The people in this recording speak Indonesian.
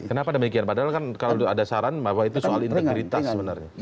kenapa demikian padahal kan kalau ada saran bahwa itu soal integritas sebenarnya